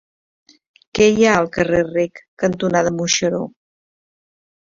Què hi ha al carrer Rec cantonada Moixeró?